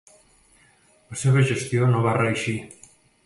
La seva gestió no va reeixir.